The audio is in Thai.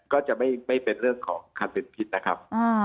ก็จะไม่เป็นเรื่องของคันเป็นพิษนะครับ